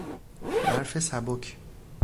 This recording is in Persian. برف سبک